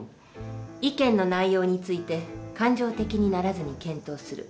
意見の内容について感情的にならずに検討する。